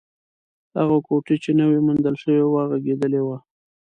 هغه کوټه چې نوې موندل شوې وه، غږېدلې وه.